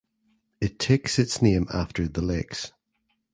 It takes its name after The Lakes.